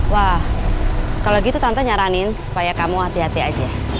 wah kalau gitu tante nyaranin supaya kamu hati hati aja